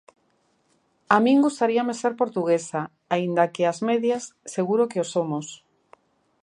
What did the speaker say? A min gustaríame ser portuguesa, aínda que ás medias seguro que o somos.